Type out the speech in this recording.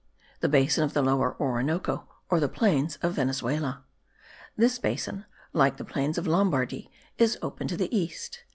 THE BASIN OF THE LOWER ORINOCO, OR THE PLAINS OF VENEZUELA. This basin, like the plains of Lombardy, is open to the east.